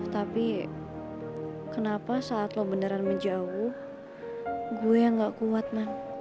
tapi kenapa saat lo beneran menjauh gue yang gak kuat nak